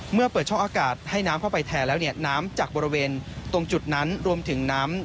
เมื่อเปิดช่องอากาศให้น้ำเข้าไปแทนแล้วเนี่ยน้ำจากบริเวณตรงจุดนั้นรวมถึงน้ำ